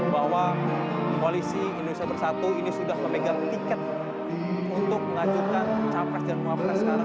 bahwa polisi indonesia bersatu ini sudah memegang tiket untuk melanjutkan capres dan mabras sekarang